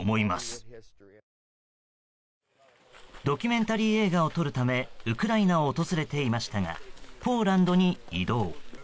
ドキュメンタリー映画を撮るためウクライナを訪れていましたがポーランドに移動。